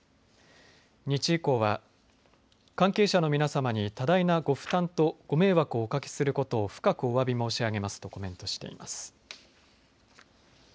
日医工は関係者の皆様に多大なご負担とご迷惑をおかけすることを深くおわび申し上げますとコメントしています。